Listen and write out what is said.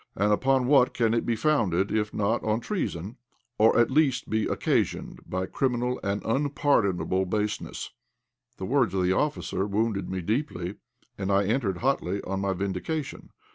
And upon what can it be founded if not on treason, or at the least be occasioned by criminal and unpardonable baseness?" The words of the officer wounded me deeply, and I entered hotly on my vindication.